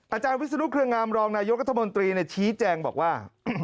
อาจารย์วิศนุเครืองามรองนายกรัฐมนตรีชี้แจงบอกว่า